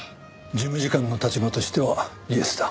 事務次官の立場としてはイエスだ。